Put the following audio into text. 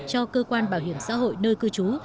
cho cơ quan bảo hiểm xã hội nơi cư trú